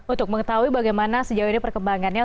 untuk mengetahui bagaimana sejauh ini perkembangannya